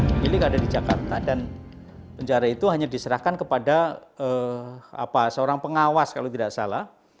pemilik ada di jakarta dan penjara itu hanya diserahkan kepada seorang pengawas kalau tidak salah